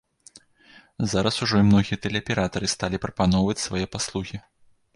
Зараз ужо і многія тэлеаператары сталі прапаноўваць свае паслугі.